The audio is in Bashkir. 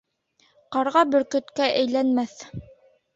Ҡарға бөркөткә әйләнмәҫ.